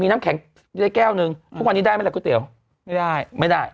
น้ำแข็งได้แก้วหนึ่งทุกวันนี้ได้ไหมล่ะก๋วยเตี๋ยวไม่ได้ไม่ได้